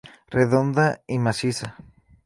Redonda y maciza.